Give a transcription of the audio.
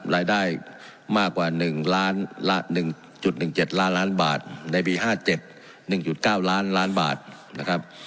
รายได้มากกว่า๑๑๗ล้านล้านบาทในปี๕๗๑๙ล้านล้านบาทนะครับ